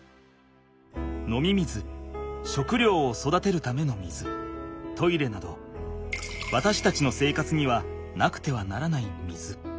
飲み水食料を育てるための水トイレなどわたしたちの生活にはなくてはならない水。